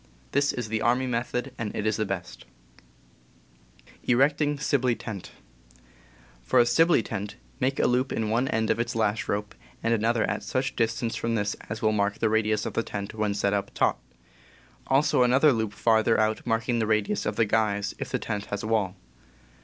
This is the army method, and it is the best. For a Sibley tent, make a loop in one end of its lash rope, and another at such distance from this as will .„., mark the radius of the tent when set up l^^Tent *^^*'^^^° another loop farther out ^^* marking the radius of the guys, if the tent has a wall.